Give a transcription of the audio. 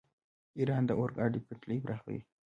ایران د اورګاډي پټلۍ پراخوي.